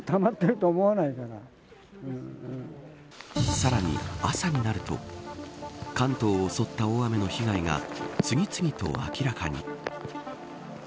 さらに朝になると関東を襲った大雨の被害が次々と明らかに。